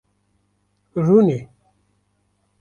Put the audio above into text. Rûne.